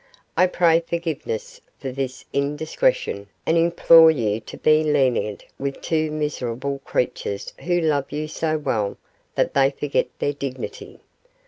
"I pray forgiveness for this indiscretion and implore you to be lenient with two miserable creatures who love you so well that they forget their dignity."